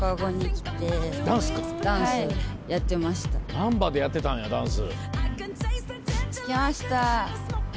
難波でやってたんやダンス。